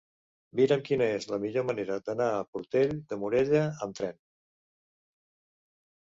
Mira'm quina és la millor manera d'anar a Portell de Morella amb tren.